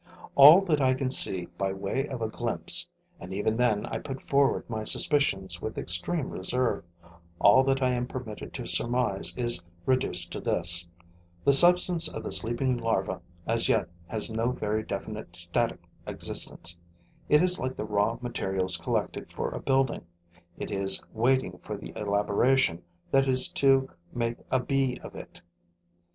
All that I can see by way of a glimpse and even then I put forward my suspicions with extreme reserve all that I am permitted to surmise is reduced to this: the substance of the sleeping larva as yet has no very definite static existence; it is like the raw materials collected for a building; it is waiting for the elaboration that is to make a bee of it.